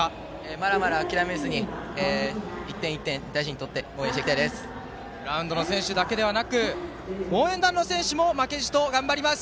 まだまだ諦めず１点１点大事にとってグラウンドの選手だけではなく応援団の選手も負けじと頑張ります。